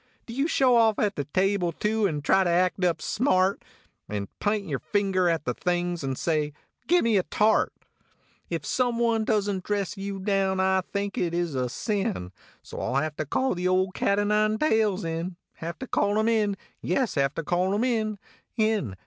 Do you show off at the table, too, nd try to act up smart, Nd p intyer finger at the things ndsay : "Gimme a tart?" If someone doesn t dress you down I think it is a sin ; So I ll have to call the old cat o nine tails in Have to call Mm in ; yes, have to call Mm in ; in.